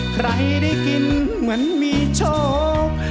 ใครได้กินเหมือนมีโชค